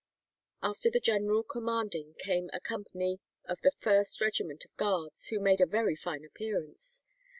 After the general commanding came a company of the first regiment of Guards, who made a very fine appearance.